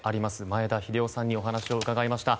前田秀雄さんにお話を伺いました。